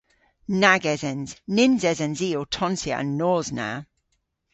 Nag esens. Nyns esens i ow tonsya an nos na.